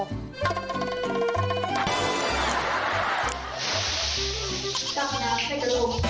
กล้ามน้ำให้ลง